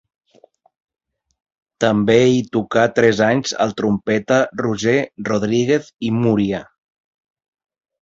També hi tocà tres anys el trompeta Roger Rodríguez i Múria.